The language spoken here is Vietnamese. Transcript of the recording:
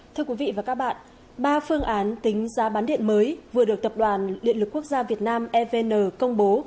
thưa quý vị và các bạn ba phương án tính giá bán điện mới vừa được tập đoàn điện lực quốc gia việt nam evn công bố